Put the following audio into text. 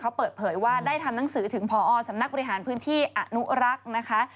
เขาเปิดเผยว่าได้ทำหนังสือถึงพอสำนักบริหารพื้นที่อนุรักษ์นะคะ